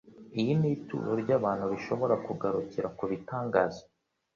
iyi ni ituro ryabantu rishobora kugarukira kubitangaza."